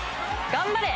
頑張れ！